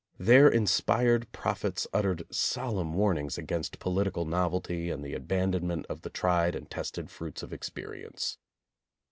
Their inspired prophets uttered solemn warnings against political novelty and the abandonment of the tried and tested fruits of experience.